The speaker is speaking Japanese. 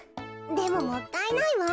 でももったいないわ。